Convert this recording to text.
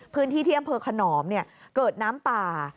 พื้นที่เที่ยงเผอร์ขนอมเกิดน้ำป่า